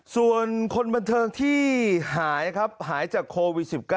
ส่วนคนบันเทิงที่หายครับหายจากโควิด๑๙